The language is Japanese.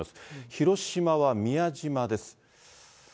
広島は宮島です。